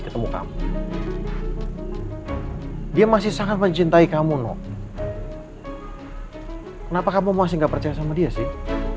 ketemu kamu dia masih sangat mencintai kamu no kenapa kamu masih nggak percaya sama dia sih